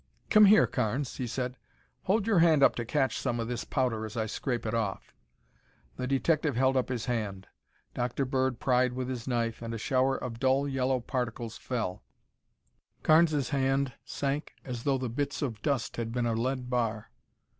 "Come here, Carnes," he said. "Hold your hand up to catch some of this powder as I scrape it off." The detective held up his hand. Dr. Bird pried with his knife and a shower of dull yellow particles fell. Carnes' hand sank as though the bits of dust had been a lead bar.